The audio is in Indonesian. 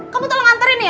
kamu tolong antarin ya